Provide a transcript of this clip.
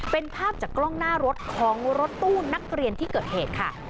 เป็นภาพจากกล้องหน้ารถของรถตู้นักเรียนที่เกิดเหตุค่ะ